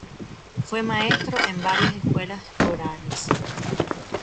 Fue maestro en varias escuelas rurales.